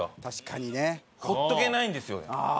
確かにね。ほっとけないんですよね。